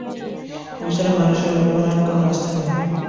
ভেবেছিলাম মানুষের উপর তোমার আর কোনো আস্থা নেই।